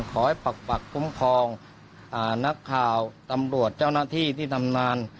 ขอให้ปกปรักษ์คุ้มครองอ่านักข่าวตำรวจเจ้าหน้าที่ที่ทำนาญ